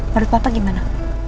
menurut papa gimana